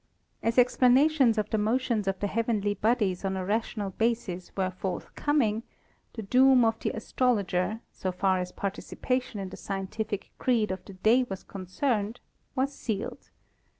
As explanations of the motions of the heavenly bodies on a rational basis were forthcoming, the doom of the astrologer, so far as participation in the scien tific creed of the day was concerned, was sealed.